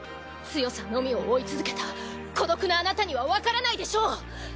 強さのみを追い続けた孤独なあなたにはわからないでしょう！